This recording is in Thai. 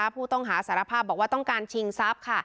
ผู้ต้องหาสารภาพบอกว่าต้องการชิงทรัพย์ค่ะ